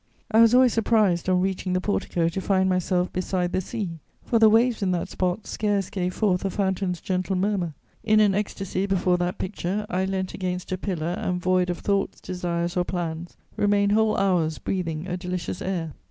I was always surprised, on reaching the portico, to find myself beside the sea; for the waves in that spot scarce gave forth a fountain's gentle murmur. In an ecstasy before that picture, I leant against a pillar and, void of thoughts, desires, or plans, remained whole hours breathing a delicious air.